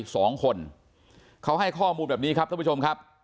สองคนเขาให้ข้อมูลแบบนี้ครับท่านผู้ชมครับ